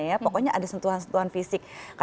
gimana caranya dia melakukan secara sedeban